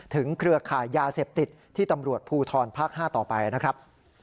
เครือข่ายยาเสพติดที่ตำรวจภูทรภาค๕ต่อไปนะครับ